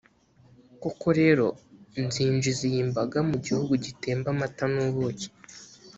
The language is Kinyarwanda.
koko rero, nzinjiza iyi mbaga mu gihugu gitemba amata n’ubuki